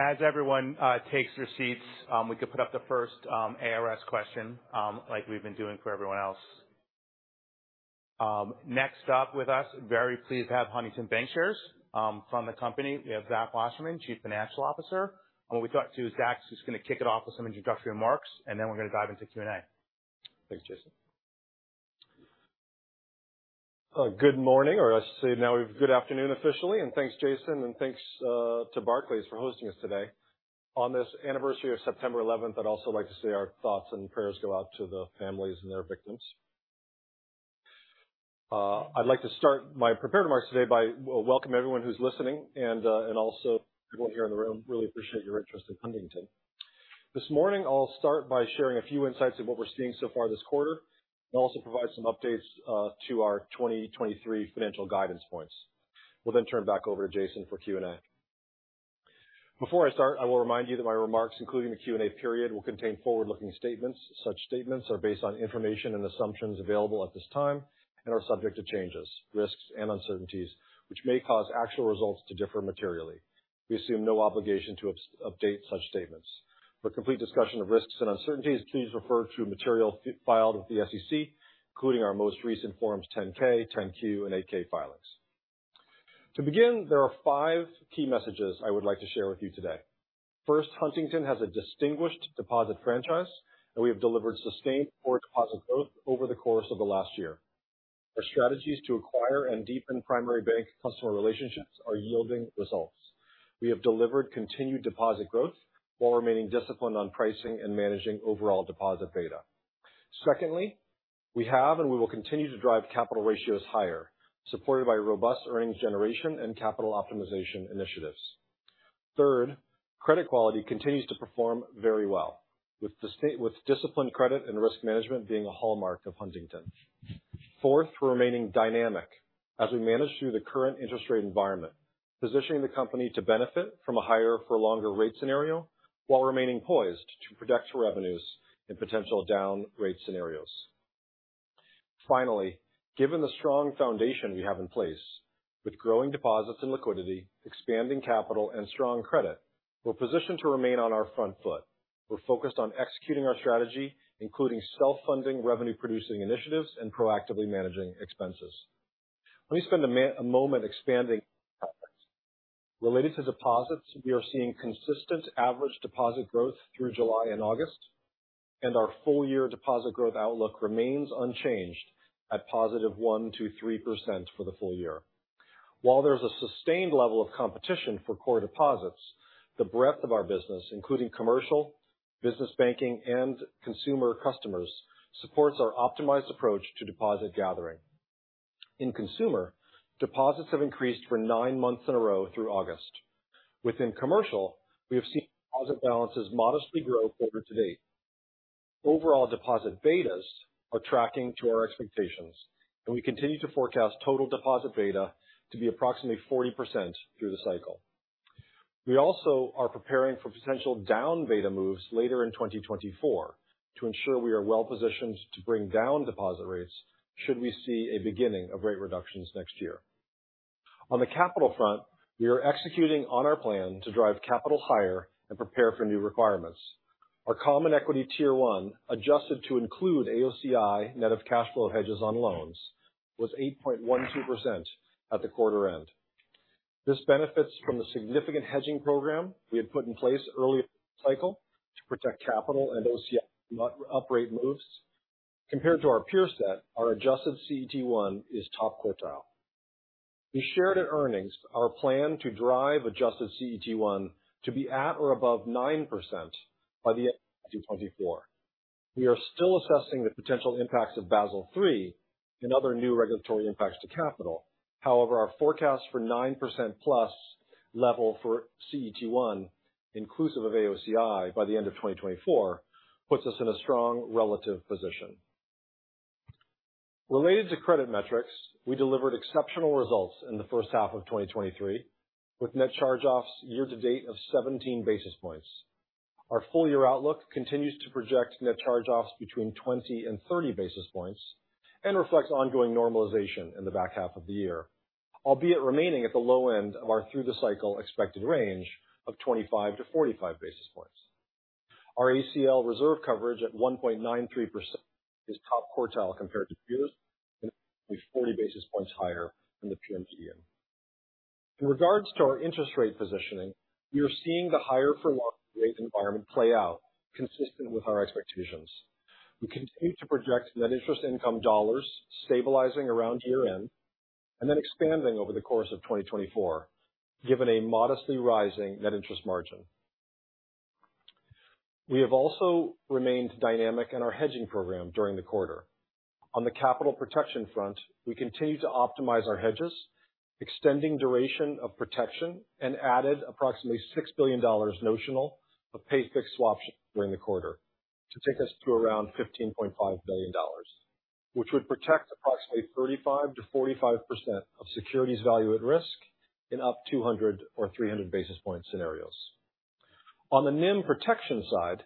As everyone takes their seats, we could put up the first ARS question, like we've been doing for everyone else. Next up with us, very pleased to have Huntington Bancshares. From the company, we have Zach Wasserman, Chief Financial Officer. And what we thought too is Zach's just going to kick it off with some introductory remarks, and then we're going to dive into Q&A. Thanks, Jason. Good morning, or I should say now we have good afternoon officially, and thanks, Jason, and thanks to Barclays for hosting us today. On this anniversary of September eleventh, I'd also like to say our thoughts and prayers go out to the families and their victims. I'd like to start my prepared remarks today by welcoming everyone who's listening and, and also people here in the room. Really appreciate your interest in Huntington. This morning, I'll start by sharing a few insights of what we're seeing so far this quarter, and also provide some updates to our 2023 financial guidance points. We'll then turn it back over to Jason for Q&A. Before I start, I will remind you that my remarks, including the Q&A period, will contain forward-looking statements. Such statements are based on information and assumptions available at this time and are subject to changes, risks and uncertainties, which may cause actual results to differ materially. We assume no obligation to update such statements. For complete discussion of risks and uncertainties, please refer to material filed with the SEC, including our most recent Forms 10-K, 10-Q, and 8-K filings. To begin, there are five key messages I would like to share with you today. First, Huntington has a distinguished deposit franchise, and we have delivered sustained core deposit growth over the course of the last year. Our strategies to acquire and deepen primary bank customer relationships are yielding results. We have delivered continued deposit growth while remaining disciplined on pricing and managing overall deposit beta. Secondly, we have and we will continue to drive capital ratios higher, supported by robust earnings generation and capital optimization initiatives. Third, credit quality continues to perform very well, with disciplined credit and risk management being a hallmark of Huntington. Fourth, we're remaining dynamic as we manage through the current interest rate environment, positioning the company to benefit from a higher for longer rate scenario while remaining poised to protect revenues in potential down rate scenarios. Finally, given the strong foundation we have in place with growing deposits and liquidity, expanding capital and strong credit, we're positioned to remain on our front foot. We're focused on executing our strategy, including self-funding, revenue producing initiatives, and proactively managing expenses. Let me spend a moment expanding. Related to deposits, we are seeing consistent average deposit growth through July and August, and our full year deposit growth outlook remains unchanged at positive 1%-3% for the full year. While there's a sustained level of competition for core deposits, the breadth of our business, including commercial, business banking, and consumer customers, supports our optimized approach to deposit gathering. In consumer, deposits have increased for nine months in a row through August. Within commercial, we have seen deposit balances modestly grow quarter to date. Overall deposit betas are tracking to our expectations, and we continue to forecast total deposit beta to be approximately 40% through the cycle. We also are preparing for potential down beta moves later in 2024, to ensure we are well positioned to bring down deposit rates should we see a beginning of rate reductions next year. On the capital front, we are executing on our plan to drive capital higher and prepare for new requirements. Our common equity Tier 1, adjusted to include AOCI, net of cash flow hedges on loans, was 8.12% at the quarter end. This benefits from the significant hedging program we had put in place early cycle to protect capital and OCI up rate moves. Compared to our peer set, our adjusted CET1 is top quartile. We shared at earnings our plan to drive adjusted CET1 to be at or above 9% by the end of 2024. We are still assessing the potential impacts of Basel III and other new regulatory impacts to capital. However, our forecast for 9% plus level for CET1, inclusive of AOCI by the end of 2024, puts us in a strong relative position. Related to credit metrics, we delivered exceptional results in the first half of 2023, with net charge-offs year to date of 17 basis points. Our full year outlook continues to project net charge-offs between 20 and 30 basis points and reflects ongoing normalization in the back half of the year, albeit remaining at the low end of our through the cycle expected range of 25-45 basis points. Our ACL reserve coverage at 1.93% is top quartile compared to peers, and 40 basis points higher than the peer median. In regards to our interest rate positioning, we are seeing the higher for longer rate environment play out consistent with our expectations. We continue to project net interest income dollars stabilizing around year-end and then expanding over the course of 2024, given a modestly rising net interest margin. We have also remained dynamic in our hedging program during the quarter. On the capital protection front, we continue to optimize our hedges, extending duration of protection, and added approximately $6 billion notional of pay-fixed swaps during the quarter to take us to around $15.5 billion, which would protect approximately 35%-45% of securities value at risk in up 200 or 300 basis point scenarios. On the NIM protection side,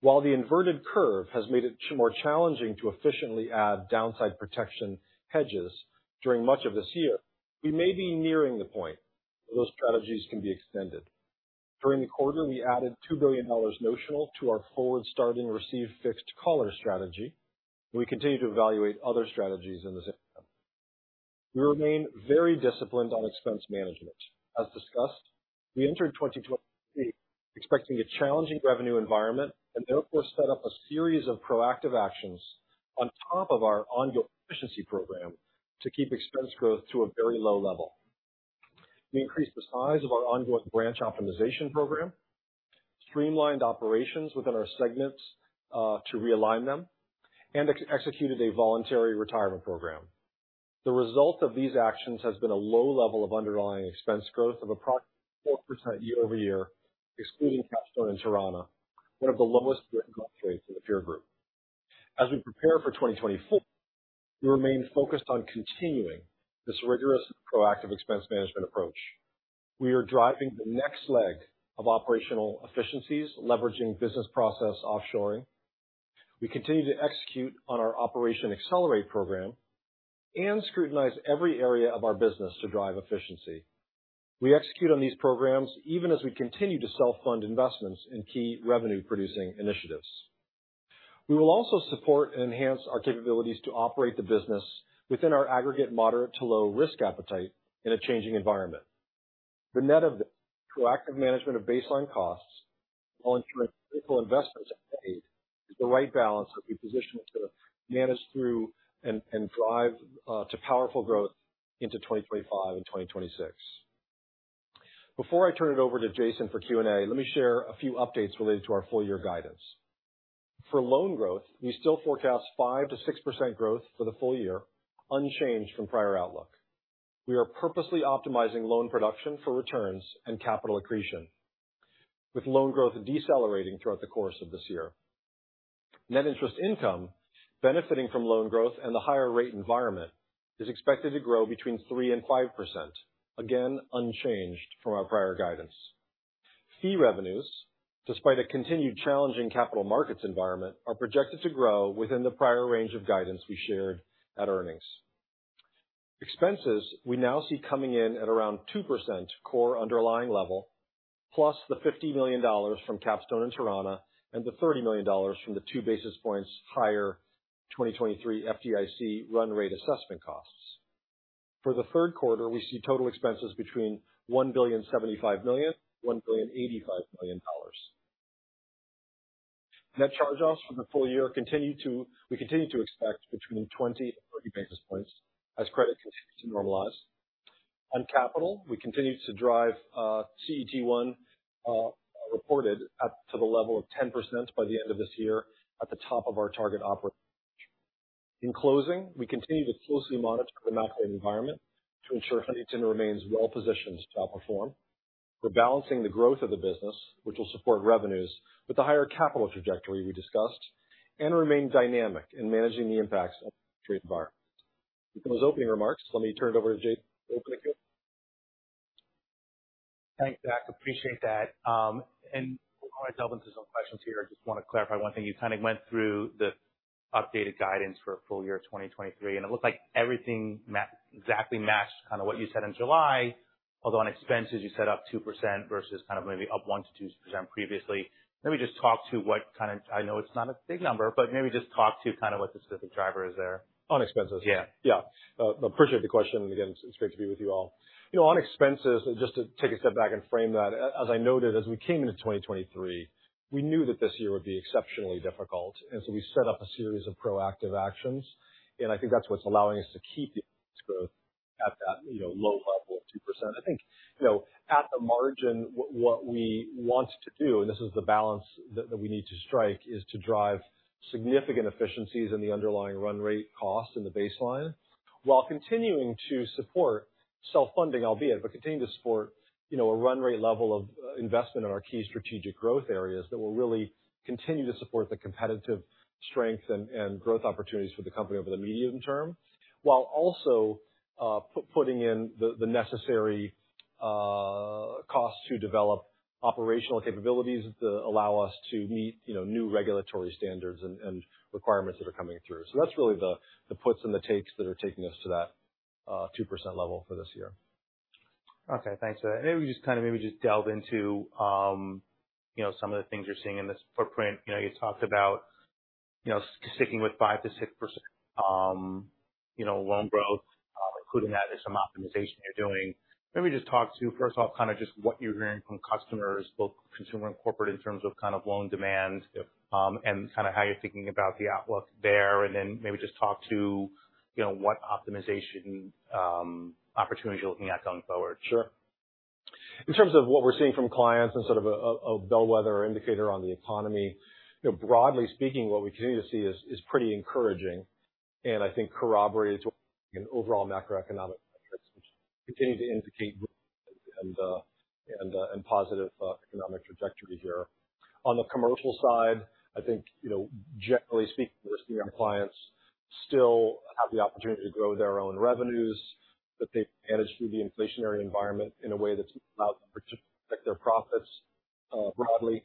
while the inverted curve has made it more challenging to efficiently add downside protection hedges during much of this year, we may be nearing the point where those strategies can be extended. During the quarter, we added $2 billion notional to our forward start and receive-fixed collar strategy, and we continue to evaluate other strategies in this area. We remain very disciplined on expense management. As discussed, we entered 2023 expecting a challenging revenue environment, and therefore set up a series of proactive actions on top of our ongoing efficiency program to keep expense growth to a very low level. We increased the size of our ongoing branch optimization program, streamlined operations within our segments, to realign them, and executed a voluntary retirement program. The result of these actions has been a low level of underlying expense growth of approximately 4% year-over-year, excluding Capstone and Torana, one of the lowest rates in the peer group. As we prepare for 2024, we remain focused on continuing this rigorous proactive expense management approach. We are driving the next leg of operational efficiencies, leveraging business process offshoring. We continue to execute on our Operation Accelerate program and scrutinize every area of our business to drive efficiency. We execute on these programs even as we continue to self-fund investments in key revenue-producing initiatives. We will also support and enhance our capabilities to operate the business within our aggregate moderate to low risk appetite in a changing environment. The net of the proactive management of baseline costs on critical investments is the right balance that we position it to manage through and, and drive, to powerful growth into 2025 and 2026. Before I turn it over to Jason for Q&A, let me share a few updates related to our full year guidance. For loan growth, we still forecast 5%-6% growth for the full year, unchanged from prior outlook. We are purposely optimizing loan production for returns and capital accretion, with loan growth decelerating throughout the course of this year. Net interest income, benefiting from loan growth and the higher rate environment, is expected to grow between 3% and 5%, again, unchanged from our prior guidance. Fee revenues, despite a continued challenging capital markets environment, are projected to grow within the prior range of guidance we shared at earnings. Expenses we now see coming in at around 2% core underlying level, plus the $50 million from Capstone and Torana, and the $30 million from the 2 basis points higher 2023 FDIC run rate assessment costs. For the third quarter, we see total expenses between $1.075 billion and $1.085 billion. Net charge-offs for the full year, we continue to expect between 20 and 30 basis points as credit continues to normalize. On capital, we continue to drive CET1 reported up to the level of 10% by the end of this year at the top of our target operating range. In closing, we continue to closely monitor the macro environment to ensure Huntington remains well positioned to outperform. We're balancing the growth of the business, which will support revenues with the higher capital trajectory we discussed, and remain dynamic in managing the impacts of the trade environment. With those opening remarks, let me turn it over to Jason for opening Q&A. Thanks, Zach. Appreciate that. And before I delve into some questions here, I just want to clarify one thing. You kind of went through the updated guidance for full year 2023, and it looked like everything exactly matched kind of what you said in July, although on expenses, you said up 2% versus kind of maybe up 1%-2% previously. Let me just talk to what kind of... I know it's not a big number, but maybe just talk to kind of what the specific driver is there. On expenses? Yeah. Yeah. Appreciate the question, and again, it's great to be with you all. You know, on expenses, just to take a step back and frame that, as I noted, as we came into 2023, we knew that this year would be exceptionally difficult, and so we set up a series of proactive actions, and I think that's what's allowing us to keep the growth at that, you know, low level of 2%. I think, you know, at the margin, what we want to do, and this is the balance that we need to strike, is to drive significant efficiencies in the underlying run rate costs in the baseline, while continuing to support self-funding, albeit, but continuing to support, you know, a run rate level of investment in our key strategic growth areas that will really continue to support the competitive strength and growth opportunities for the company over the medium term. While also putting in the necessary costs to develop operational capabilities to allow us to meet, you know, new regulatory standards and requirements that are coming through. So that's really the puts and the takes that are taking us to that 2% level for this year. Okay, thanks for that. Maybe just kind of delve into, you know, some of the things you're seeing in this footprint. You know, you talked about, you know, sticking with 5%-6%, you know, loan growth, including that there's some optimization you're doing. Maybe just talk to, first of all, kind of just what you're hearing from customers, both consumer and corporate, in terms of kind of loan demand, and kind of how you're thinking about the outlook there, and then maybe just talk to, you know, what optimization opportunities you're looking at going forward. Sure. In terms of what we're seeing from clients and sort of a bellwether indicator on the economy, you know, broadly speaking, what we continue to see is pretty encouraging and I think corroborates an overall macroeconomic metrics, which continue to indicate positive economic trajectory here. On the commercial side, I think, you know, generally speaking, we're seeing our clients still have the opportunity to grow their own revenues, that they've managed through the inflationary environment in a way that's allowed them to protect their profits broadly,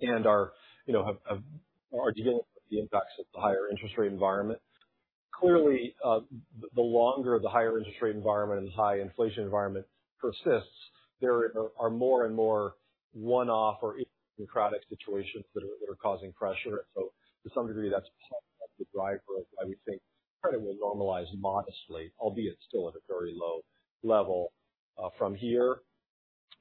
and are dealing with the impacts of the higher interest rate environment. Clearly, the longer the higher interest rate environment and high inflation environment persists, there are more and more one-off or idiosyncratic situations that are causing pressure. And so to some degree, that's the driver of why we think credit will normalize modestly, albeit still at a very low level, from here.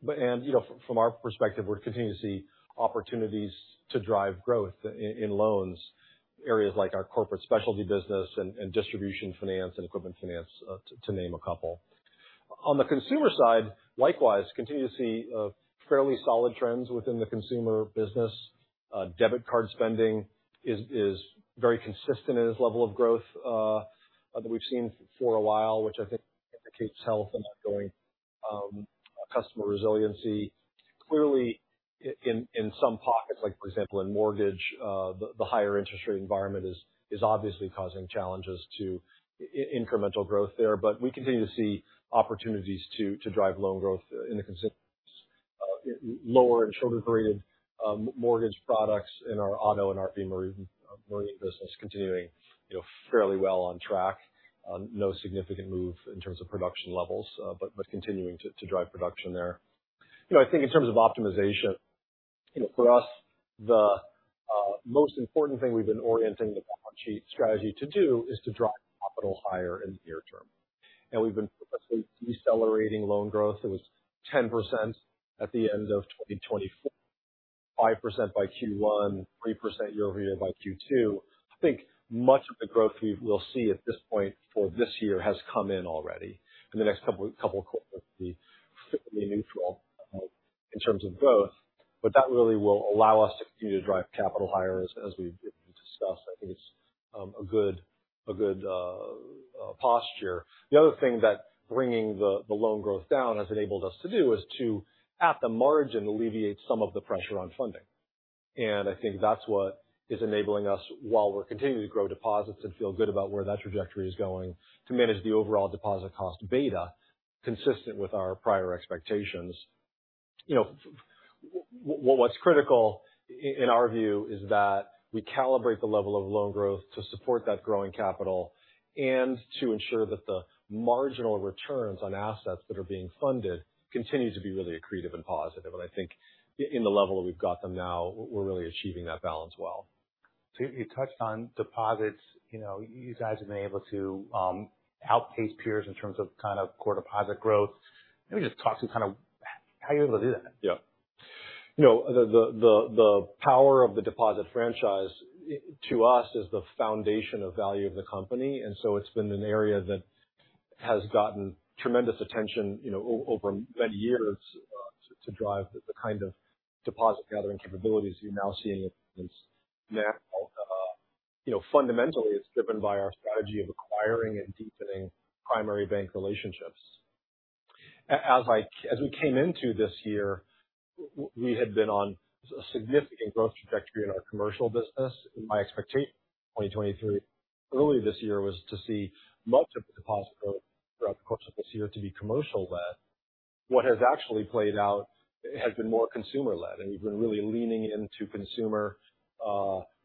But, you know, from our perspective, we're continuing to see opportunities to drive growth in loans, areas like our corporate specialty business and distribution finance and equipment finance, to name a couple. On the consumer side, likewise, continue to see fairly solid trends within the consumer business. Debit card spending is very consistent in its level of growth that we've seen for a while, which I think indicates health and ongoing customer resiliency. Clearly, in some pockets, like, for example, in mortgage, the higher interest rate environment is obviously causing challenges to incremental growth there, but we continue to see opportunities to drive loan growth in the consumer lower and shorter graded mortgage products in our auto and RV marine business, continuing, you know, fairly well on track. No significant move in terms of production levels, but continuing to drive production there. You know, I think in terms of optimization, you know, for us, the most important thing we've been orienting the balance sheet strategy to do is to drive capital higher in the near term. And we've been purposely decelerating loan growth. It was 10% at the end of 2024, 5% by Q1, 3% year-over-year by Q2. I think much of the growth we will see at this point for this year has come in already. In the next couple of Q, it'll be fairly neutral in terms of growth, but that really will allow us to continue to drive capital higher as we've discussed. I think it's a good posture. The other thing that bringing the loan growth down has enabled us to do is to, at the margin, alleviate some of the pressure on funding. And I think that's what is enabling us, while we're continuing to grow deposits and feel good about where that trajectory is going, to manage the overall deposit cost beta consistent with our prior expectations. You know, what's critical in our view is that we calibrate the level of loan growth to support that growing capital and to ensure that the marginal returns on assets that are being funded continue to be really accretive and positive. And I think in the level that we've got them now, we're really achieving that balance well. So you touched on deposits. You know, you guys have been able to outpace peers in terms of kind of core deposit growth. Let me just talk to kind of how you're able to do that? Yeah. You know, the power of the deposit franchise is to us the foundation of value of the company, and so it's been an area that has gotten tremendous attention, you know, over many years to drive the kind of deposit gathering capabilities you're now seeing in this now. You know, fundamentally, it's driven by our strategy of acquiring and deepening primary bank relationships. As we came into this year, we had been on a significant growth trajectory in our commercial business, and my expectation 2023, early this year was to see much of the deposit growth throughout the course of this year to be commercial led. What has actually played out has been more consumer led, and we've been really leaning into consumer,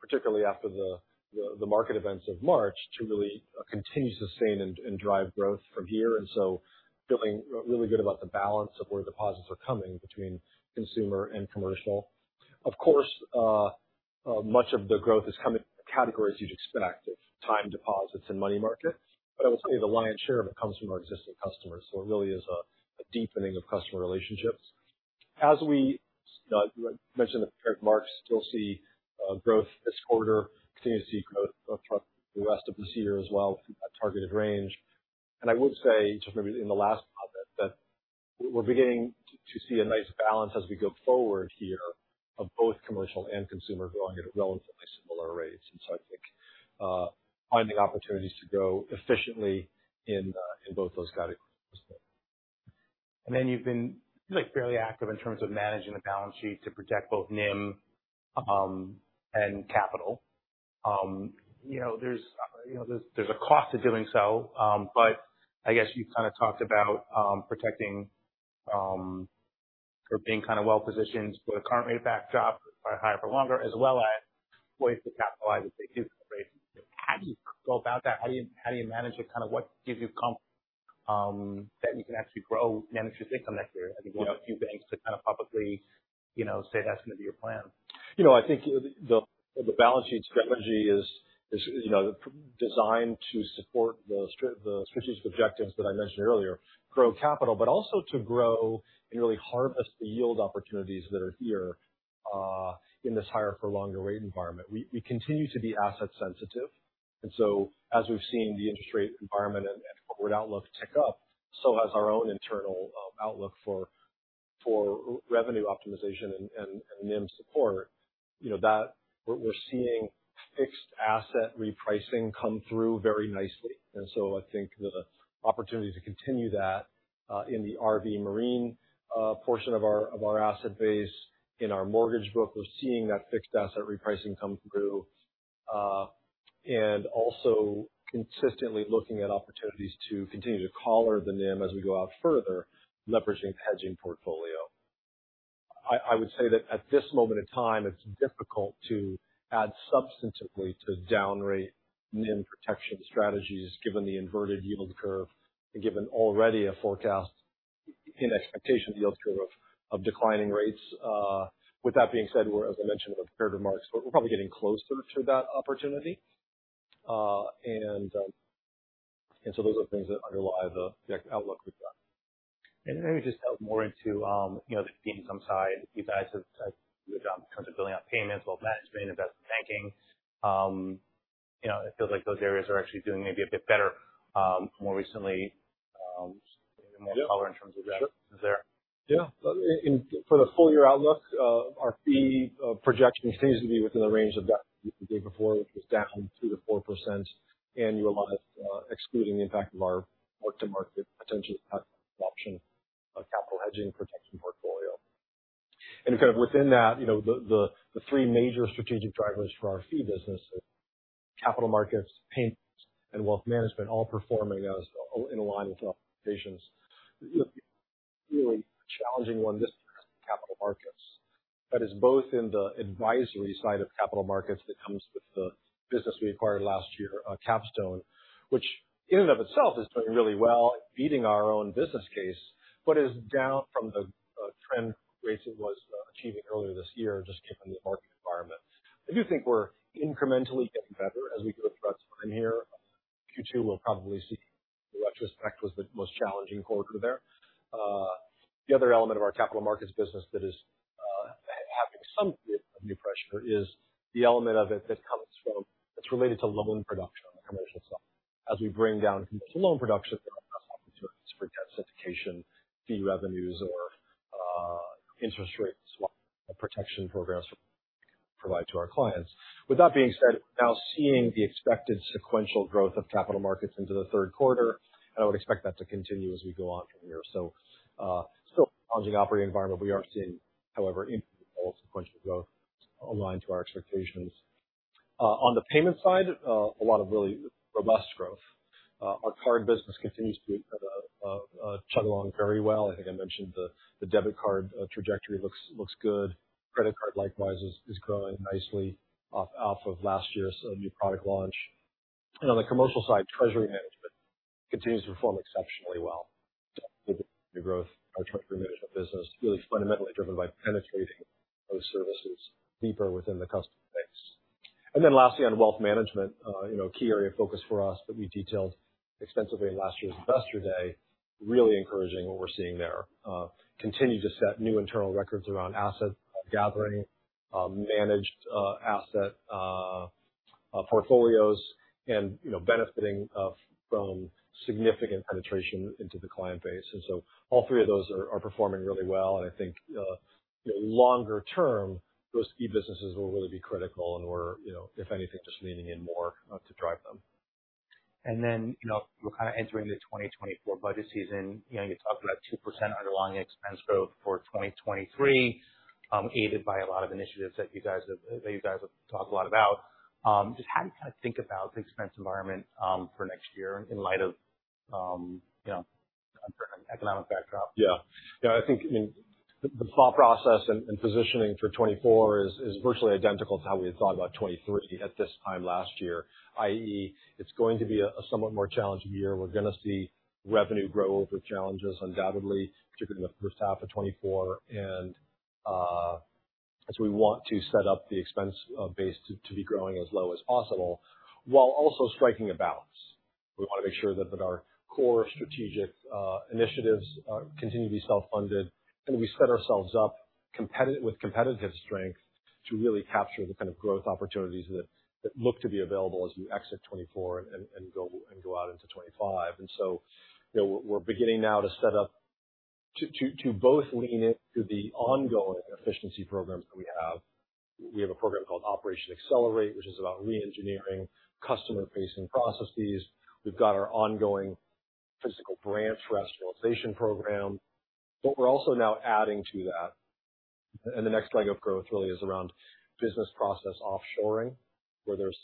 particularly after the market events of March, to really continue to sustain and drive growth from here. So feeling really good about the balance of where deposits are coming between consumer and commercial. Of course, much of the growth is coming in the categories you'd expect, time deposits and money market, but I would say the lion's share of it comes from our existing customers. So it really is a deepening of customer relationships. As you mentioned that marks, you'll see growth this quarter, continue to see growth across the rest of this year as well, a targeted range. I would say, just maybe in the last comment, that we're beginning to see a nice balance as we go forward here of both commercial and consumer growing at relatively similar rates. And so I think, finding opportunities to grow efficiently in both those categories. Then you've been, like, fairly active in terms of managing the balance sheet to protect both NIM and capital. You know, there's a cost to doing so, but I guess you kind of talked about protecting or being kind of well-positioned for the current rate backdrop, by higher for longer, as well as ways to capitalize if they do raise. How do you go about that? How do you manage it? Kind of what gives you confidence that you can actually grow management's income next year? I think, you know, a few banks to kind of publicly, you know, say that's going to be your plan. You know, I think the balance sheet strategy is, you know, designed to support the strategic objectives that I mentioned earlier, grow capital, but also to grow and really harvest the yield opportunities that are here in this higher for longer rate environment. We continue to be asset sensitive, and so as we've seen the interest rate environment and forward outlook tick up, so has our own internal outlook for revenue optimization and NIM support. You know, we're seeing fixed asset repricing come through very nicely, and so I think the opportunity to continue that in the RV marine portion of our asset base. In our mortgage book, we're seeing that fixed asset repricing come through. And also consistently looking at opportunities to continue to collar the NIM as we go out further, leveraging the hedging portfolio. I would say that at this moment in time, it's difficult to add substantively to downrate NIM protection strategies, given the inverted yield curve and given already a forecast in expectation yield curve of declining rates. With that being said, as I mentioned in the prepared remarks, we're probably getting closer to that opportunity. And so those are things that underlie the outlook we've got. And then maybe just dive more into, you know, the fee income side. You guys have done a good job in terms of building out payments, wealth management, investment banking. You know, it feels like those areas are actually doing maybe a bit better, more recently, more color in terms of that- Sure. -is there? Yeah. In for the full year outlook, our fee projection continues to be within the range of that the day before, which was down 2%-4% annualized, excluding the impact of our mark-to-market pay-fixed swaption capital hedging protection portfolio. And kind of within that, you know, the three major strategic drivers for our fee business, capital markets, payments and wealth management, all performing as in line with our expectations. The really challenging one, this capital markets, that is both in the advisory side of capital markets that comes with the business we acquired last year, Capstone. Which in and of itself is doing really well, beating our own business case, but is down from the trend rates it was achieving earlier this year, just given the market environment. I do think we're incrementally getting better as we go through the spring here. Q2 will probably see the retrospect was the most challenging quarter there. The other element of our capital markets business that is having some bit of new pressure is the element of it that comes from, that's related to loan production on the commercial side. As we bring down loan production, opportunities for syndication, fee revenues or interest rates protection programs provide to our clients. With that being said, now seeing the expected sequential growth of capital markets into the third quarter, and I would expect that to continue as we go on from here. So, still challenging operating environment. We are seeing, however, improved sequential growth aligned to our expectations. On the payment side, a lot of really robust growth. Our card business continues to chug along very well. I think I mentioned the debit card trajectory looks good. Credit card, likewise, is growing nicely off of last year's new product launch. And on the commercial side, treasury management continues to perform exceptionally well. The growth of our treasury management business really fundamentally driven by penetrating those services deeper within the customer base. And then lastly, on wealth management, you know, key area of focus for us that we detailed extensively in last year's Investor Day, really encouraging what we're seeing there. Continue to set new internal records around asset gathering, managed asset portfolios and, you know, benefiting from significant penetration into the client base. And so all three of those are performing really well. I think, longer term, those key businesses will really be critical and we're, you know, if anything, just leaning in more, to drive them. And then, you know, we're kind of entering the 2024 budget season. You know, you talked about 2% underlying expense growth for 2023, aided by a lot of initiatives that you guys have, that you guys have talked a lot about. Just how do you kind of think about the expense environment, for next year in light of, you know, economic backdrop? Yeah. Yeah, I think, I mean, the thought process and positioning for 2024 is virtually identical to how we had thought about 2023 at this time last year, i.e., it's going to be a somewhat more challenging year. We're going to see revenue growth with challenges, undoubtedly, particularly in the first half of 2024. And as we want to set up the expense base to be growing as low as possible, while also striking a balance. We want to make sure that our core strategic initiatives continue to be self-funded, and we set ourselves up with competitive strength to really capture the kind of growth opportunities that look to be available as we exit 2024 and go out into 2025. And so, you know, we're beginning now to set up to both lean into the ongoing efficiency programs that we have. We have a program called Operation Accelerate, which is about reengineering customer-facing processes. We've got our ongoing physical branch rationalization program, but we're also now adding to that. And the next leg of growth really is around business process offshoring, where there's,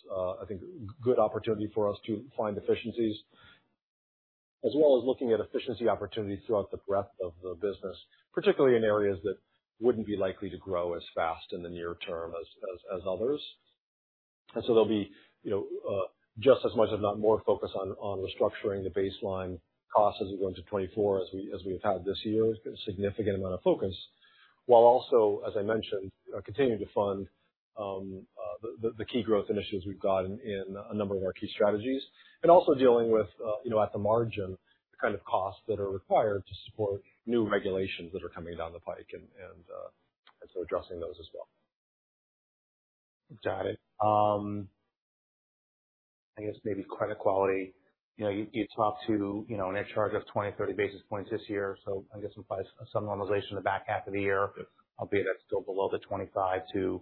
I think, good opportunity for us to find efficiencies, as well as looking at efficiency opportunities throughout the breadth of the business, particularly in areas that wouldn't be likely to grow as fast in the near term as others. And so there'll be, you know, just as much if not more focus on restructuring the baseline costs as we go into 2024, as we have had this year, a significant amount of focus, while also, as I mentioned, continuing to fund the key growth initiatives we've got in a number of our key strategies. And also dealing with, you know, at the margin, the kind of costs that are required to support new regulations that are coming down the pike, and so addressing those as well. Got it. I guess maybe credit quality. You know, you talked to, you know, a net charge of 20-30 basis points this year, so I guess some normalization in the back half of the year, albeit that's still below the 25-45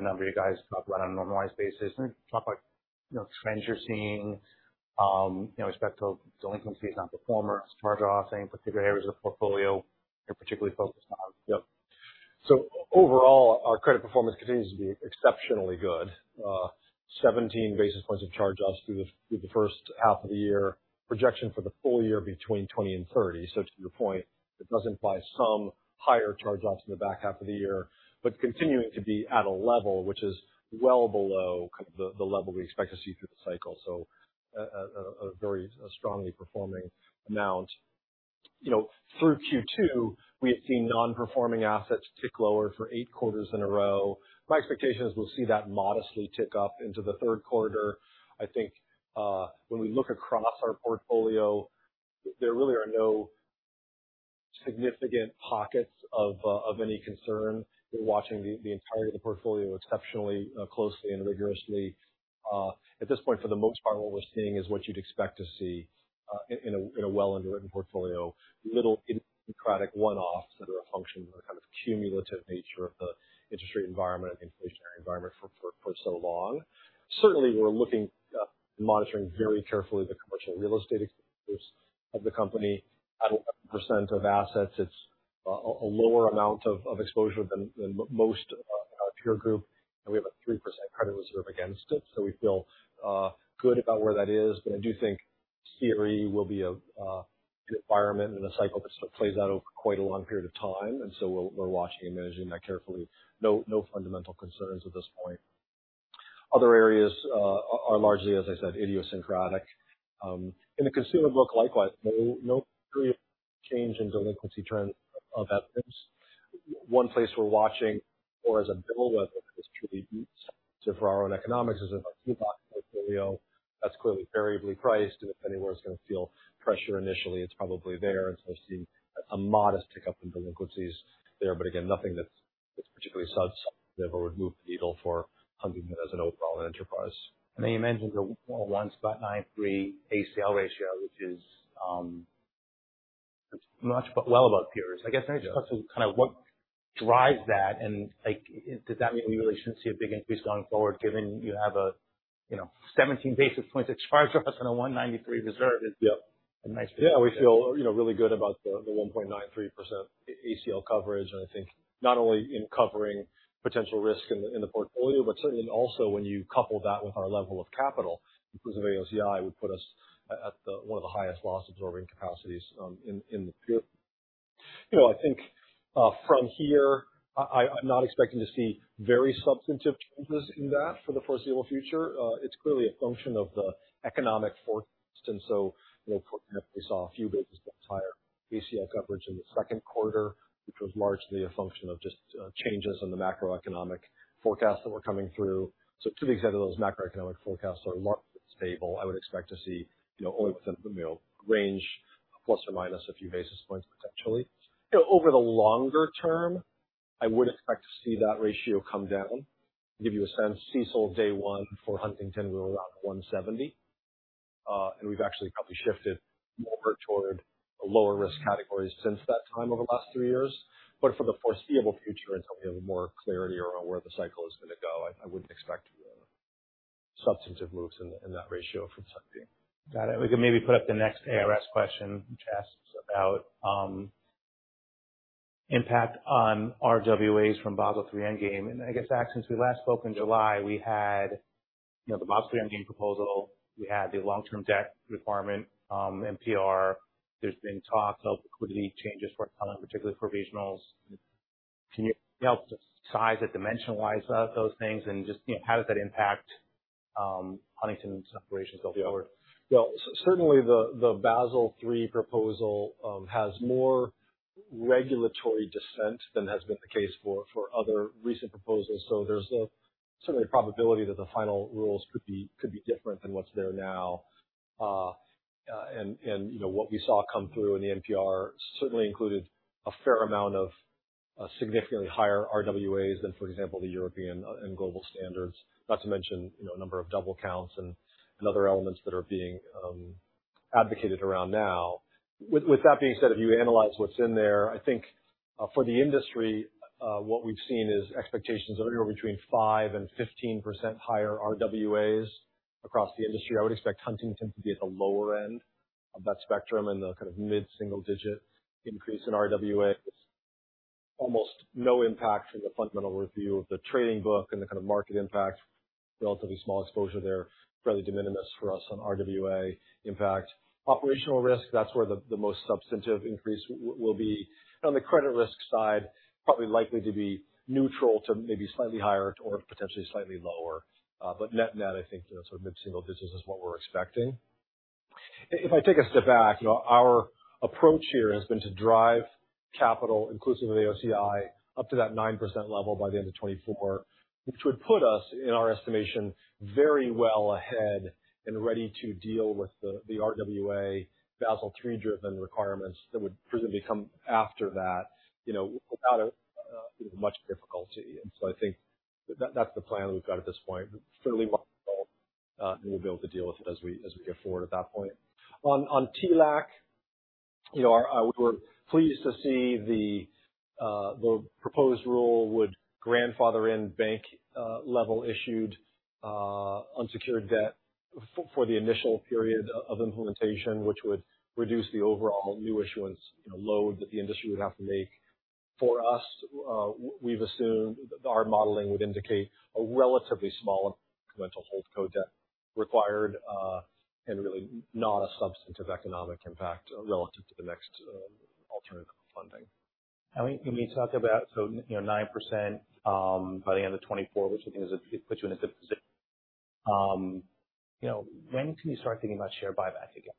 number you guys talked about on a normalized basis. Mm, talk about it?... you know, trends you're seeing, you know, with respect to delinquencies on performers, charge-offs, any particular areas of the portfolio you're particularly focused on? Yep. So overall, our credit performance continues to be exceptionally good. Seventeen basis points of charge-offs through the first half of the year. Projection for the full year between 20 and 30. So to your point, it does imply some higher charge-offs in the back half of the year, but continuing to be at a level which is well below kind of the level we expect to see through the cycle. So, a very strongly performing amount. You know, through Q2, we had seen non-performing assets tick lower for eight quarters in a row. My expectation is we'll see that modestly tick up into the third quarter. I think, when we look across our portfolio, there really are no significant pockets of any concern. We're watching the entirety of the portfolio exceptionally closely and rigorously. At this point, for the most part, what we're seeing is what you'd expect to see in a well-underwritten portfolio. Little idiosyncratic one-offs that are a function of the kind of cumulative nature of the interest rate environment and inflationary environment for so long. Certainly, we're looking, monitoring very carefully the commercial real estate exposure of the company. At percent of assets, it's a lower amount of exposure than most of our peer group, and we have a 3% credit reserve against it. So we feel good about where that is. But I do think CRE will be an environment and a cycle that plays out over quite a long period of time, and so we're watching and managing that carefully. No fundamental concerns at this point. Other areas are largely, as I said, idiosyncratic. In the consumer book, likewise, no pre change in delinquency trends of that piece. One place we're watching more as a bellwether, because it's truly unique to our own economics, is our TLAC portfolio. That's clearly variably priced, and if anywhere is going to feel pressure initially, it's probably there. So I see a modest tick up in delinquencies there, but again, nothing that's particularly substantive that would move the needle for Huntington as an overall enterprise. You mentioned the 1.93 ACL ratio, which is much, but well above peers. Yeah. I guess, can you just talk through kind of what drives that, and, like, does that mean we really shouldn't see a big increase going forward, given you have a, you know, 17 basis point charge-off on a 1.93 reserve? Yep. A nice- Yeah, we feel, you know, really good about the 1.93% ACL coverage. And I think not only in covering potential risk in the portfolio, but certainly also when you couple that with our level of capital, inclusive of AOCI, would put us at the one of the highest loss absorbing capacities in the business. You know, I think from here, I'm not expecting to see very substantive changes in that for the foreseeable future. It's clearly a function of the economic forecast, and so, you know, we saw a few basis points higher ACL coverage in the second quarter, which was largely a function of just changes in the macroeconomic forecast that were coming through. So to the extent those macroeconomic forecasts are more stable, I would expect to see, you know, within the range, plus or minus a few basis points, potentially. You know, over the longer term, I would expect to see that ratio come down. To give you a sense, CECL day one for Huntington was around 170, and we've actually probably shifted more toward the lower risk categories since that time, over the last 3 years. But for the foreseeable future, until we have more clarity around where the cycle is going to go, I, I wouldn't expect substantive moves in, in that ratio from this view. Got it. We can maybe put up the next ARS question, which asks about impact on RWAs from Basel III Endgame. And I guess, Zach, since we last spoke in July, we had, you know, the Basel III Endgame proposal, we had the long-term debt requirement, NPR. There's been talks of liquidity changes for coming, particularly for regionals. Can you help size it, dimensionalize those things, and just, you know, how does that impact Huntington separations over the hour? Well, certainly the Basel III proposal has more regulatory dissent than has been the case for other recent proposals. So there's a certain probability that the final rules could be different than what's there now. And you know, what we saw come through in the NPR certainly included a fair amount of significantly higher RWAs than, for example, the European and global standards. Not to mention, you know, a number of double counts and other elements that are being advocated around now. With that being said, if you analyze what's in there, I think for the industry, what we've seen is expectations of anywhere between 5%-15% higher RWAs across the industry. I would expect Huntington to be at the lower end of that spectrum and the kind of mid-single digit increase in RWAs. Almost no impact from the Fundamental Review of the Trading Book and the kind of market impact, relatively small exposure there, fairly de minimis for us on RWA impact. Operational risk, that's where the most substantive increase will be. On the credit risk side, probably likely to be neutral to maybe slightly higher or potentially slightly lower. But net-net, I think sort of mid-single digits is what we're expecting. If I take a step back, you know, our approach here has been to drive capital, inclusive of the AOCI, up to that 9% level by the end of 2024, which would put us, in our estimation, very well ahead and ready to deal with the RWA Basel III driven requirements that would presumably come after that, you know, without much difficulty. So I think that's the plan we've got at this point. Fairly well, we'll be able to deal with it as we, as we go forward at that point. On, on TLAC... You know, our, we're pleased to see the, the proposed rule would grandfather in bank, level issued, unsecured debt for the initial period of implementation, which would reduce the overall new issuance, you know, load that the industry would have to make. For us, we've assumed our modeling would indicate a relatively small incremental holdco debt required, and really not a substantive economic impact relative to the next, alternative funding. When you talk about so, you know, 9% by the end of 2024, which I think is. It puts you in a good position. You know, when can you start thinking about share buyback again?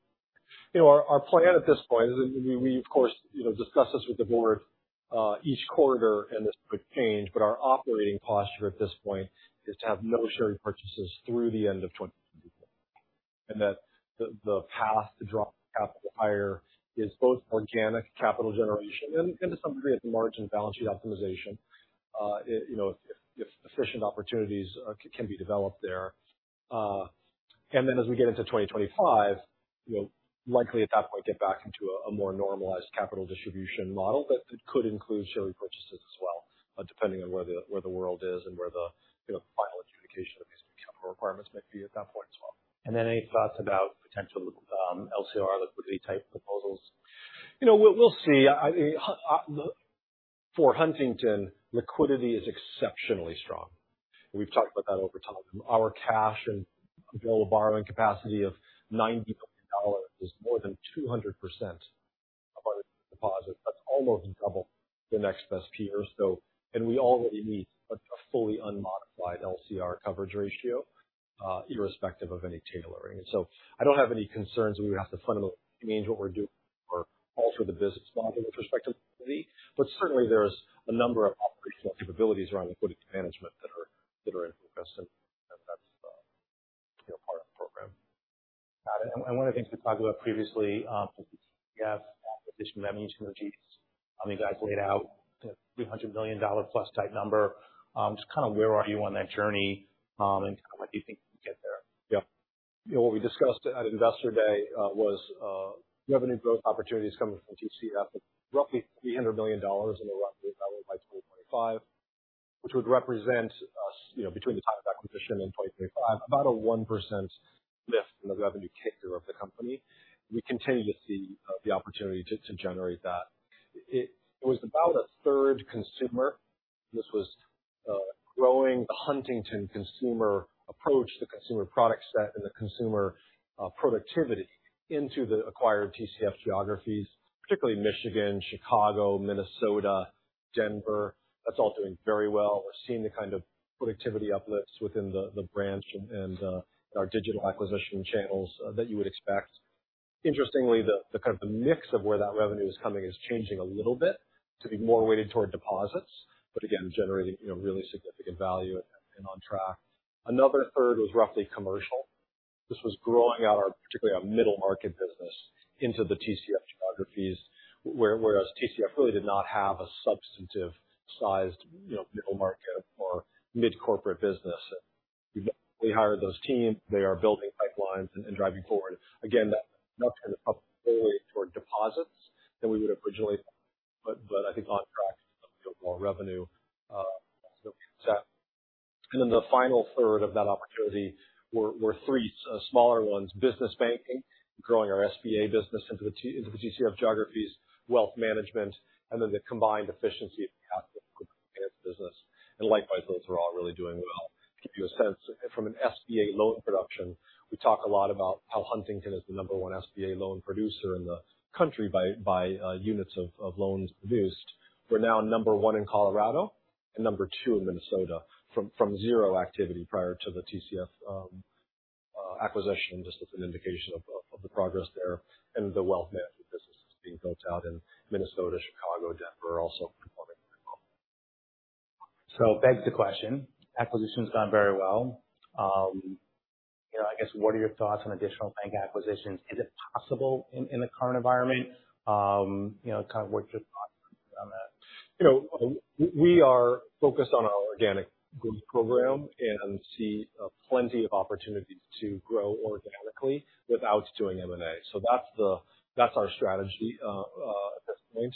You know, our plan at this point is that we, of course, you know, discuss this with the board each quarter, and this could change, but our operating posture at this point is to have no share purchases through the end of 2024. And that the path to drop capital higher is both organic capital generation and to some degree at the margin balance sheet optimization. You know, if efficient opportunities can be developed there. And then as we get into 2025, we'll likely at that point get back into a more normalized capital distribution model, but it could include share repurchases as well, depending on where the world is and where the, you know, final adjudication of these new capital requirements might be at that point as well. And then any thoughts about potential LCR liquidity type proposals? You know, we'll see. I, the—for Huntington, liquidity is exceptionally strong. We've talked about that over time. Our cash and available borrowing capacity of $90 billion is more than 200% of our deposit. That's almost double the next best peer. So... And we already meet a fully unmodified LCR coverage ratio, irrespective of any tailoring. So I don't have any concerns we would have to fundamentally change what we're doing or alter the business model with respect to liquidity, but certainly there's a number of operational capabilities around liquidity management that are in progress, and that's, you know, part of the program. One of the things we talked about previously, TCF acquisition, that means synergies. I mean, you guys laid out a $300 million plus type number. Just kind of where are you on that journey? And kind of what do you think you get there? Yeah. You know, what we discussed at Investor Day was revenue growth opportunities coming from TCF of roughly $300 million by 2025, which would represent us, you know, between the time of acquisition and 2035, about a 1% lift in the revenue character of the company. We continue to see the opportunity to generate that. It was about a third consumer. This was growing the Huntington consumer approach, the consumer product set, and the consumer productivity into the acquired TCF geographies, particularly Michigan, Chicago, Minnesota, Denver. That's all doing very well. We're seeing the kind of productivity uplifts within the branch and our digital acquisition channels that you would expect. Interestingly, the kind of the mix of where that revenue is coming is changing a little bit to be more weighted toward deposits, but again, generating, you know, really significant value and on track. Another third was roughly commercial. This was growing out our, particularly our middle market business into the TCF geographies, whereas TCF really did not have a substantive sized, you know, middle market or mid-corporate business. We hired those teams. They are building pipelines and driving forward. Again, that's kind of up weighted toward deposits than we would originally, but I think on track to build more revenue set. And then the final third of that opportunity were three smaller ones, business banking, growing our SBA business into the TCF geographies, wealth management, and then the combined efficiency of the business. Likewise, those are all really doing well. To give you a sense from an SBA loan production, we talk a lot about how Huntington is the number one SBA loan producer in the country by units of loans produced. We're now number one in Colorado and number two in Minnesota, from zero activity prior to the TCF acquisition, just as an indication of the progress there. The wealth management business is being built out in Minnesota, Chicago, Denver, also performing very well. So begs the question, acquisition's done very well. You know, I guess, what are your thoughts on additional bank acquisitions? Is it possible in the current environment? You know, kind of what's your thoughts on that? You know, we are focused on our organic growth program and see plenty of opportunities to grow organically without doing M&A. So that's our strategy at this point.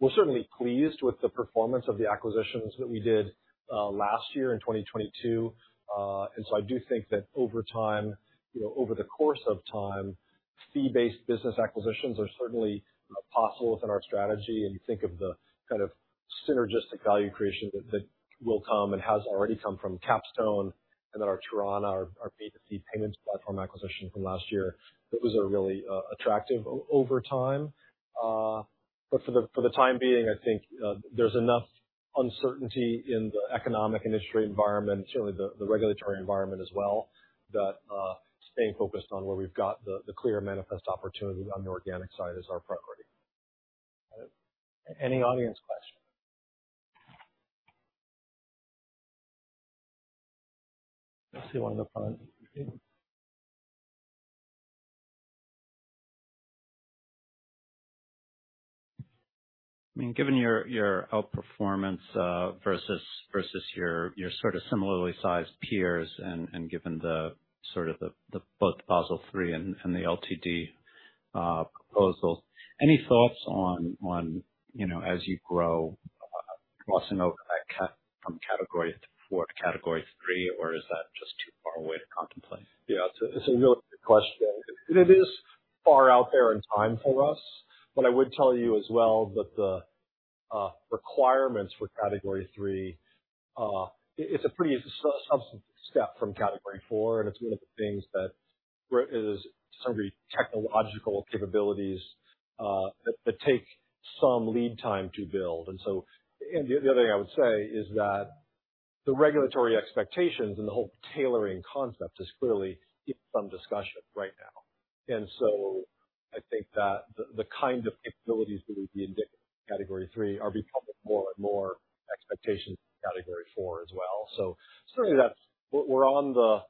We're certainly pleased with the performance of the acquisitions that we did last year in 2022. And so I do think that over time, you know, over the course of time, fee-based business acquisitions are certainly possible within our strategy. And you think of the kind of synergistic value creation that will come and has already come from Capstone and then our Torana, our B2C payments platform acquisition from last year. It was a really attractive over time. But for the time being, I think, there's enough uncertainty in the economic industry environment and certainly the regulatory environment as well, that staying focused on where we've got the clear manifest opportunity on the organic side is our priority. Any audience questions? I see one in the front. I mean, given your outperformance versus your sort of similarly sized peers and given the sort of both Basel III and the LTD proposals, any thoughts on, you know, as you grow, crossing over that from Category four to Category three, or is that just too far away to contemplate? Yeah, it's a, it's a really good question. It is far out there in time for us, but I would tell you as well that the requirements for Category three, it's a pretty substantive step from Category four, and it's one of the things that where it is some of the technological capabilities that take some lead time to build. And so, and the other thing I would say is that the regulatory expectations and the whole tailoring concept is clearly getting some discussion right now. And so I think that the kind of capabilities that would be indicated in Category three are becoming more and more expectations in Category four as well. So certainly that's, we're on the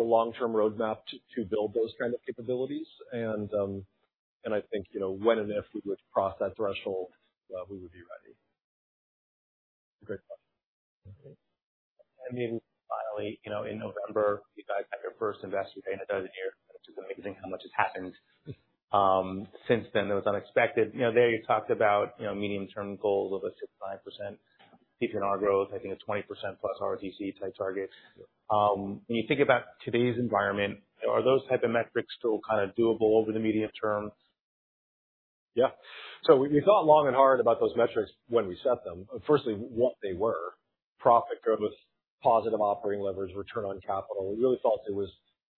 long-term roadmap to build those kind of capabilities. I think, you know, when and if we would cross that threshold, we would be ready. Great question. Okay. And then finally, you know, in November, you guys had your first investor day in 12 years, which is amazing how much has happened since then. It was unexpected. You know, there you talked about, you know, medium-term goals of a 6-9% PPNR growth. I think a 20%+ ROTCE type target. When you think about today's environment, are those type of metrics still kind of doable over the medium term? Yeah. So we thought long and hard about those metrics when we set them. Firstly, what they were, profit growth, positive operating leverage, return on capital. We really thought it was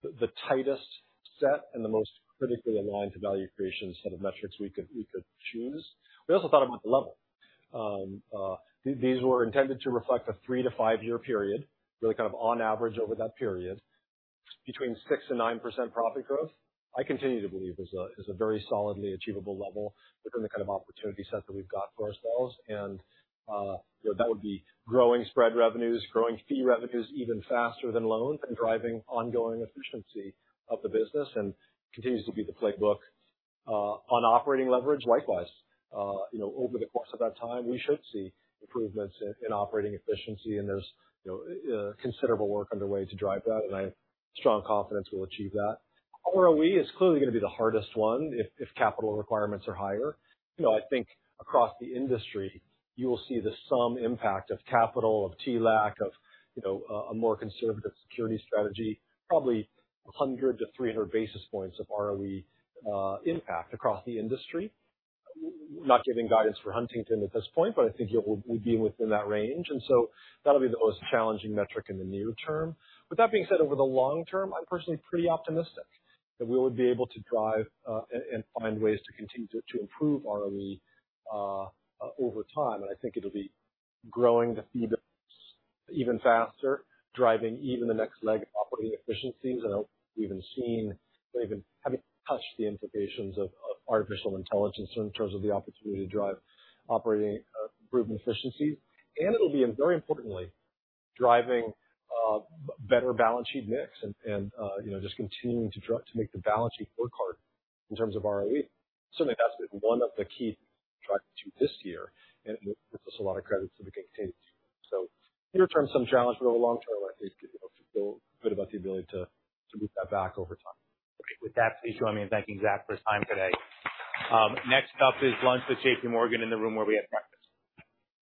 the, the tightest set and the most critically aligned to value creation set of metrics we could, we could choose. We also thought about the level. These, these were intended to reflect a 3-5-year period, really kind of on average over that period, between 6% and 9% profit growth. I continue to believe is a, is a very solidly achievable level, given the kind of opportunity set that we've got for ourselves. And, you know, that would be growing spread revenues, growing fee revenues even faster than loans, and driving ongoing efficiency of the business, and continues to be the playbook. On operating leverage, likewise. You know, over the course of that time, we should see improvements in, in operating efficiency, and there's, you know, considerable work underway to drive that, and I have strong confidence we'll achieve that. ROE is clearly going to be the hardest one if, if capital requirements are higher. You know, I think across the industry you will see the some impact of capital, of TLAC, of, you know, a, a more conservative security strategy, probably 100-300 basis points of ROE impact across the industry. Not giving guidance for Huntington at this point, but I think it will be within that range, and so that'll be the most challenging metric in the near term. With that being said, over the long term, I'm personally pretty optimistic that we will be able to drive and find ways to continue to improve ROE over time. And I think it'll be growing the fee even faster, driving even the next leg of operating efficiencies. I don't think we've even seen or even haven't touched the implications of artificial intelligence in terms of the opportunity to drive operating improved efficiencies. And it'll be, and very importantly, driving better balance sheet mix and, you know, just continuing to drive to make the balance sheet work hard in terms of ROE. Certainly that's one of the key drivers to this year, and it puts us a lot of credit so we can continue. Near term, some challenge, but over long term, I think people feel good about the ability to move that back over time. With that, please join me in thanking Zach for his time today. Next up is lunch with J.P. Morgan in the room where we had breakfast.